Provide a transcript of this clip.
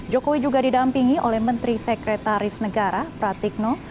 jokowi juga didampingi oleh menteri sekretaris negara pratikno